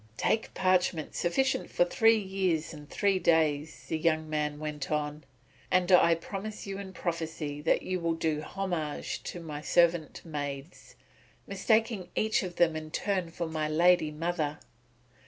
"Take parchment sufficient for three years and three days," the young man went on, "and I promise you in prophecy that you will do homage to my servant maids, mistaking each of them in turn for my lady mother."